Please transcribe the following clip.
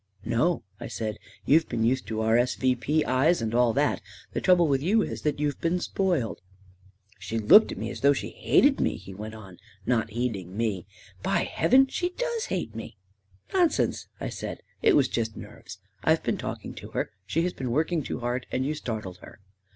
" No," I said; " you've been used to R. S. V. P. eyes and all that The trouble with you is that you've been spoiled." 44 She looked at me as though she hated me," he went on, not heeding me. u By heaven, she does hate me !" 44 Nonsense I " I said. " It was just nerves. I've been talking to her — she has been working too hard, and you startled her."